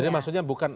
jadi maksudnya bukan